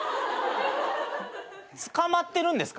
捕まってるんですか？